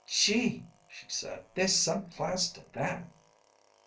"Gee!" she said. "There's some class to that."